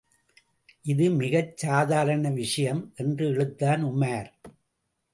இது மிகச் சாதாரண விஷயம்.. என்று இழுத்தான் உமார்.